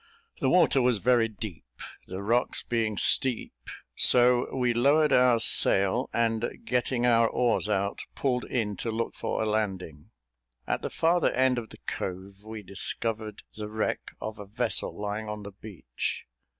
The water was very deep, the rocks being steep; so, we lowered our sail, and getting our oars out, pulled in to look for a landing. At the farther end of the cove, we discovered the wreck of a vessel lying on the beach.